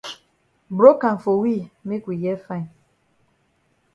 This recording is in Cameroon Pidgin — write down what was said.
Broke am for we make we hear fine.